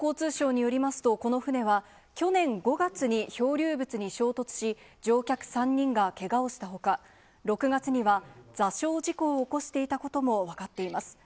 国土交通省によりますと、この船は、去年５月に漂流物に衝突し、乗客３人がけがをしたほか、６月には、座礁事故を起こしていたことも分かっています。